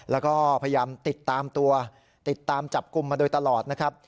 แล้วก็พยายามติดตามตัวติดตามจับกลุ่มมาโดยตลอดนะครับ